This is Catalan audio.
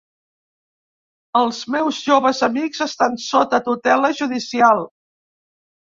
Els meus joves amics estan sota tutela judicial.